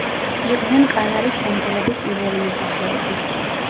იყვნენ კანარის კუნძულების პირველი მოსახლეები.